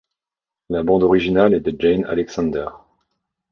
La bande originale est de Jann Halexander.